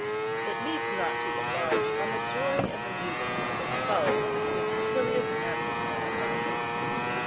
It needs not to enlarge on the joy of the meeting which followed between Cæcilius and his young penitent.